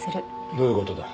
どういう事だ？